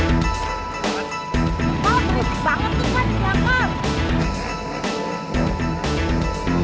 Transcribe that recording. pak itu orang yang mencari kata kejahatnya mama